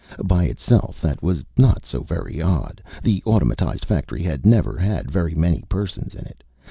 By itself, that was not so very odd the automatized factory had never had very many persons in it.